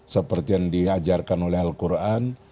seperti yang diajarkan oleh al quran